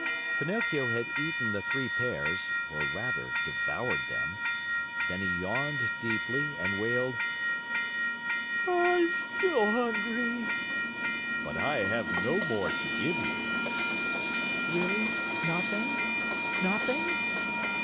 Pinocchio had eaten the three pears, or rather devoured them. Then he yawned deeply, and wailed: "I'm still hungry." "But I have no more to give you." "Really, nothing nothing?"